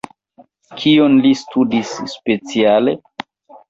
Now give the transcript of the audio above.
Kion li studis speciale?